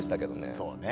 そうね